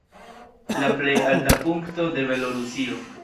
La plej alta punkto de Belorusio.